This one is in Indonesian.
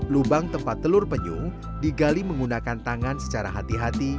lubang tempat telur penyu digali menggunakan tangan secara hati hati